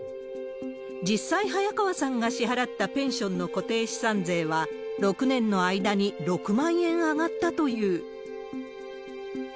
実際、早川さんが支払ったペンションの固定資産税は、６年の間に６万円上がったという。